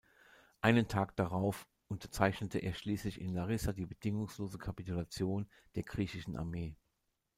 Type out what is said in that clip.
Einen Tag darauf unterzeichnete er schließlich in Larisa die bedingungslose Kapitulation der griechischen Armee.